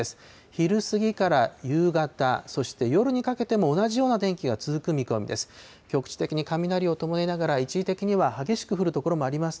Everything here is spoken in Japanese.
昼過ぎから夕方、そして夜にかけても同じような天気が続く見込みです。